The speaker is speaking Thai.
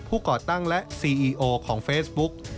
ก่อตั้งและซีอีโอของเฟซบุ๊ก